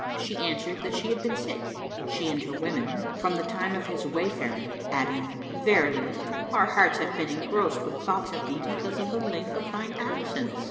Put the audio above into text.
She answered that she had been sick, she and her women, from the time of his wayfaring, adding, "Verily, our hearts have been engrossed with thoughts of thee because of the length of thine absence."